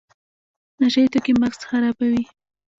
نشه یي توکي مغز خرابوي